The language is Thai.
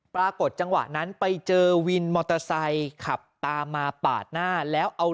ปรากฏจังหวะนั้นไปเจอวินมอเตอร์ไซค์ขับตามมาปาดหน้าแล้วเอา